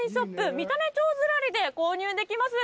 「三種町ずらり」で購入できます。